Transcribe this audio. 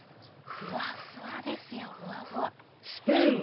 ふわふわですよふわふわ。